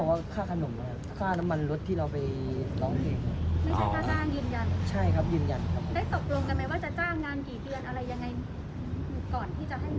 ได้ตกลงกันไหมว่าจะจ้างงานกี่เดือนอะไรยังไงก่อนที่จะให้หนึ่งหมื่น